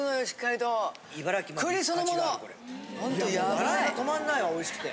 笑いが止まんないわおいしくて。